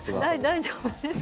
大丈夫です。